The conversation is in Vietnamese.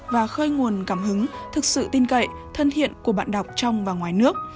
và khơi nguồn cảm hứng thực sự tin cậy thân thiện của bạn đọc trong và ngoài nước